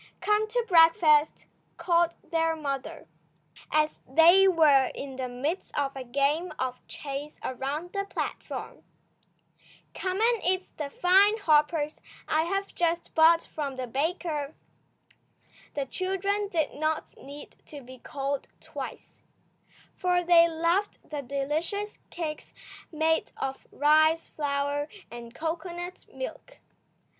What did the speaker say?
"Come to breakfast," called their mother, as they were in the midst of a game of chase around the platform. "Come and eat the fine hoppers I have just bought from the baker." The children did not need to be called twice, for they loved the delicious cakes made of rice flour and cocoanut milk.